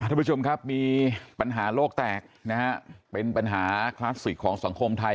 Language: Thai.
ทุกผู้ชมครับมีปัญหาโลกแตกนะฮะเป็นปัญหาคลาสสิกของสังคมไทย